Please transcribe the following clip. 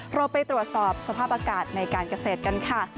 เราไปตรวจสอบสภาพอากาศในการเกษตรกันค่ะ